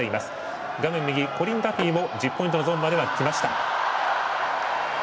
画面右、コリン・ダフィーも１０ポイントのゾーンまではきました。